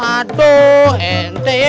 aduh ente ya